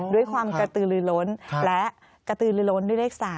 ด้วยความกระตือลือล้นและกระตือลือล้นด้วยเลข๓